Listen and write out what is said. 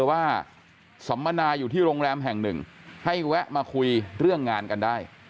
ว่าสัมมนาอยู่ที่โรงแรมแห่งหนึ่งให้แวะมาคุยเรื่องงานกันได้